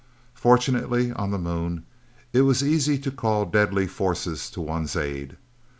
Fortunately, on the Moon, it was easy to call deadly forces to one's aid.